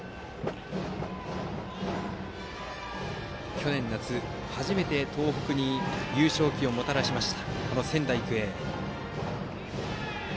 去年の夏、初めて東北に優勝旗をもたらした仙台育英。